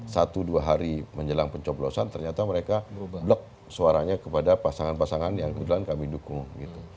satu dua hari menjelang pencoblosan ternyata mereka blok suaranya kepada pasangan pasangan yang kebetulan kami dukung gitu